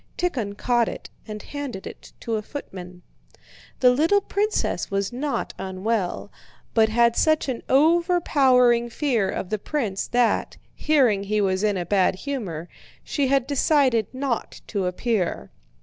Tíkhon caught it and handed it to a footman. The little princess was not unwell, but had such an overpowering fear of the prince that, hearing he was in a bad humor, she had decided not to appear.